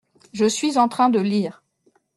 Je suis en train de lire.